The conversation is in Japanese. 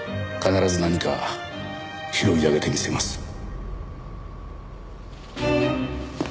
必ず何か拾い上げてみせます。